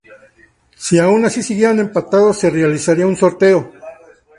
Si aun así siguieran empatados se realizaría un sorteo.